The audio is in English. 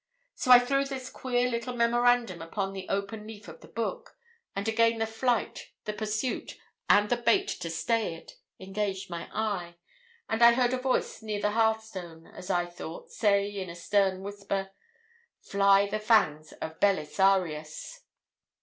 So I threw this queer little memorandum upon the open leaf of the book, and again the flight, the pursuit, and the bait to stay it, engaged my eye. And I heard a voice near the hearthstone, as I thought, say, in a stern whisper, 'Fly the fangs of Belisarius!'